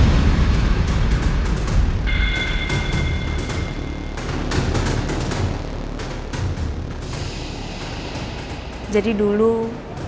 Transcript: apa yang nanti printed nih